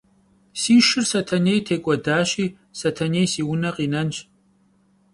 Si şşır Setenêy têk'uedaşi, Setenêy si vune khinenş.